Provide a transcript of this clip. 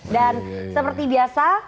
dan seperti biasa